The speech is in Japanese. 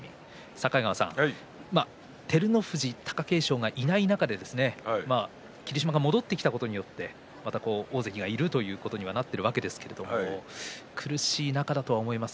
境川さん、照ノ富士、貴景勝がいない中で霧島が戻ってきたことによって大関がいるということにはなっていますが苦しい中だと思います。